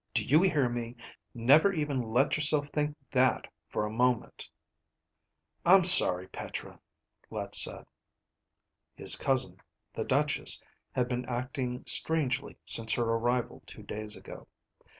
"Do you hear me? Never even let yourself think that for a moment." "I'm sorry, Petra," Let said. His cousin, the Duchess, had been acting strangely since her arrival two days ago.